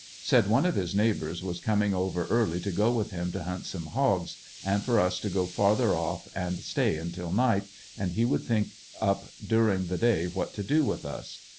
Said one of his neighbors was coming over early to go with him to hunt some hogs, and for us to go farther off and stay until night, and he would think up during the day what to do with us.